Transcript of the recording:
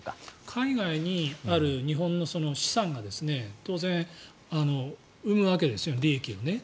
海外にある日本の資産が当然、生むわけですよね利益を。